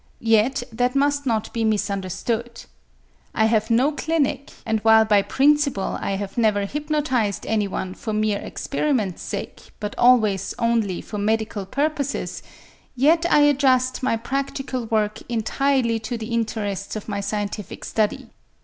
Yet that must not be misunderstood. I have no clinic, and while by principle I have never hypnotized anyone for mere experiment's sake but always only for medical purposes, yet I adjust my practical work entirely to the interests of my scientific study.